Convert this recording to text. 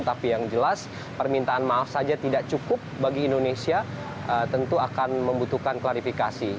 tapi yang jelas permintaan maaf saja tidak cukup bagi indonesia tentu akan membutuhkan klarifikasi